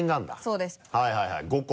そうです。